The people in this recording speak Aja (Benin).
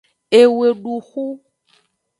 Eweduxu.